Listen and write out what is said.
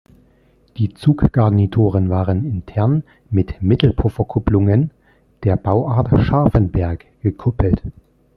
Die Zuggarnituren waren intern mit Mittelpufferkupplungen der Bauart Scharfenberg gekuppelt.